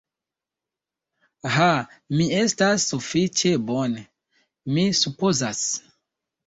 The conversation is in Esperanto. Ha, mi estas sufiĉe bone, mi supozas.